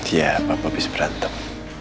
iya papa abis berantem